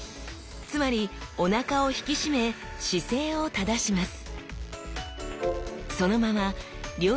つまりおなかを引き締め姿勢を正します。